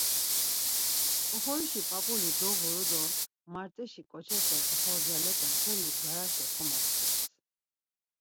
Oxorişi p̌ap̌uli doğuru do marteşi ǩoçepe, oxorcalepe mtelli bgaraşa komoxtes.